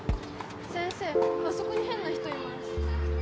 ・先生あそこに変な人います。